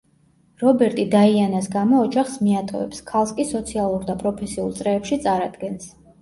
რობერტი დაიანას გამო ოჯახს მიატოვებს, ქალს კი სოციალურ და პროფესიულ წრეებში წარადგენს.